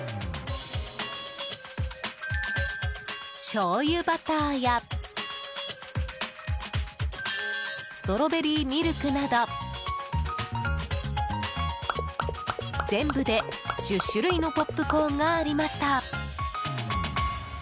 しょうゆバターやストロベリーミルクなど全部で１０種類のポップコーンがありました。